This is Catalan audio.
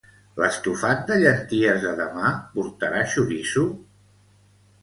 L'estofat de llenties de demà portarà xoriço?